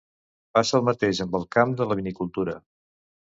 Passa el mateix amb el camp de la vinicultura.